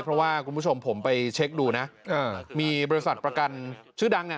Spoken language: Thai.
เพราะว่าคุณผู้ชมผมไปเช็คดูนะมีบริษัทประกันชื่อดังอ่ะ